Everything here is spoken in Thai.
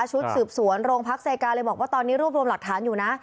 ชุดสืบสวนโรงพักเซกาเลยบอกว่าตอนนี้รวบรวมหลักฐานอยู่นะ